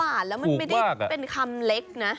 อ่านแล้วมันไม่ได้เป็นคำเล็กนะ